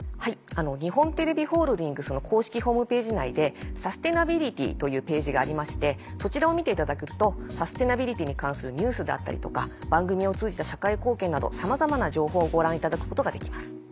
日本テレビホールディングスの公式ホームページ内で「サステナビリティ」というページがありましてそちらを見ていただけるとサステナビリティに関するニュースだったりとか番組を通じた社会貢献などさまざまな情報をご覧いただくことができます。